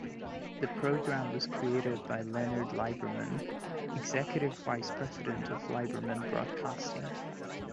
The program was created by Lenard Liberman, executive vice president of Liberman Broadcasting.